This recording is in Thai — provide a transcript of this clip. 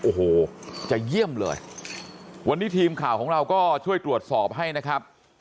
โอ้โหจะเยี่ยมเลยวันนี้ทีมข่าวของเราก็ช่วยตรวจสอบให้นะครับ